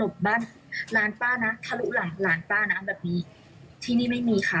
ถ้าไม่รู้ภังนะถ้ารู้หลานป้าน่าแบบนี้ที่นี่ไม่มีค่ะ